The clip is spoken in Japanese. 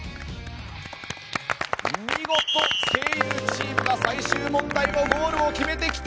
お見事、声優チームが最終問題もゴールを決めてきた。